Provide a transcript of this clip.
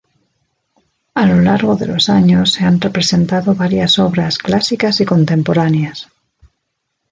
A lo largo de los años se han representado varias obras clásicas y contemporáneas.